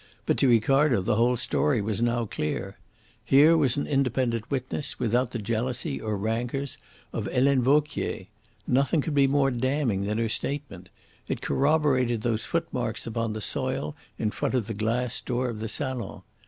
But to Ricardo the whole story was now clear. Here was an independent witness, without the jealousy or rancours of Helene Vauquier. Nothing could be more damning than her statement; it corroborated those footmarks upon the soil in front of the glass door of the salon.